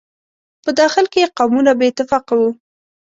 په داخل کې یې قومونه بې اتفاقه وو.